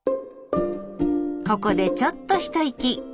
ここでちょっと一息。